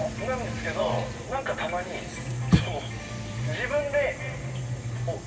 なんですけど何かたまにその自分でこう。